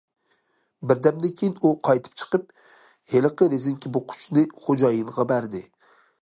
بىر دەمدىن كېيىن ئۇ قايتىپ چىقىپ ھېلىقى رېزىنكە بوغقۇچنى خوجايىنغا بەردى.